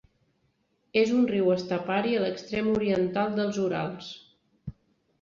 És un riu estepari a l'extrem oriental dels Urals.